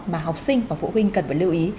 mà học sinh và phụ huynh cần phải lưu ý